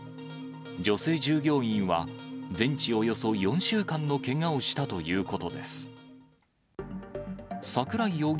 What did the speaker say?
女性従業員は全治およそ４週間のけがをしたということです。